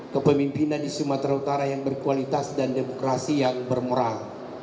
kepemimpinan di sumatera utara yang berkualitas dan demokrasi yang bermoral